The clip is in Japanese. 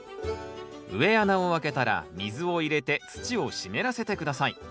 植え穴をあけたら水を入れて土を湿らせて下さい。